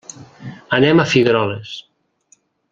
Anem a Figueroles.